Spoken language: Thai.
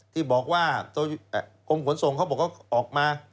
ที่บอกว่ากรมขนส่งเขาบอกเขาออกมา